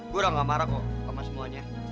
gue udah gak marah kok sama semuanya